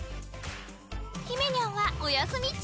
ひめにゃんはお休み中。